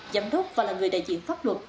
giám đốc và là người đại diện pháp luật